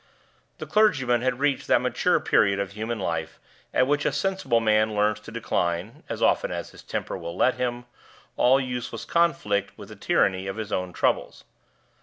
The clergyman had reached that mature period of human life at which a sensible man learns to decline (as often as his temper will let him) all useless conflict with the tyranny of his own troubles.